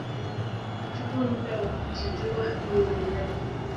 Huchukua muda wa kujijua mimi ni nani